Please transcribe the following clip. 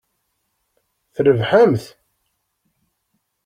Trebḥemt?